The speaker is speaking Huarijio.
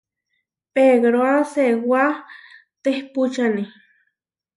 Pegroá seewá tehpúčane.